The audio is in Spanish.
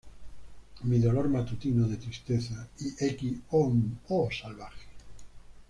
Mi dolor matutino de tristeza" y "X. Oh, salvaje".